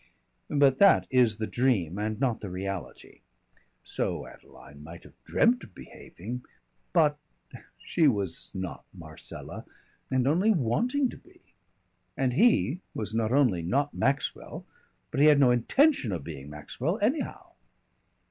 But that is the dream and not the reality. So Adeline might have dreamt of behaving, but she was not Marcella, and only wanting to be, and he was not only not Maxwell but he had no intention of being Maxwell anyhow.